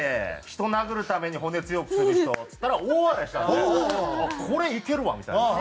人殴るために骨強くする人」っつったら大笑いしたんでこれいけるわみたいな。